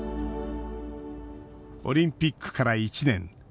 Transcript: オリンピックから１年。